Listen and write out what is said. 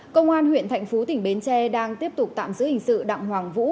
công an huyện thạnh phú tỉnh bến tre đang tiếp tục tạm giữ hình sự đặng hoàng vũ